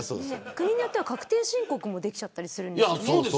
国によっては確定申告もできたりするんです。